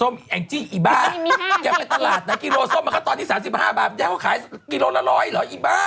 แม่งจี้ไอ้บ้ายังเป็นตลาดนะกิโลโซ่มมันก็ตอนที่๓๕บาทยังขายกิโลละร้อยเหรอไอ้บ้า